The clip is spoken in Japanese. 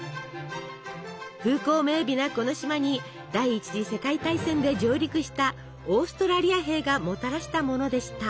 風光明美なこの島に第１次世界大戦で上陸したオーストラリア兵がもたらしたものでした。